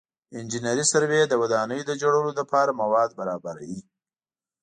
انجنیري سروې د ودانیو د جوړولو لپاره مواد برابر کوي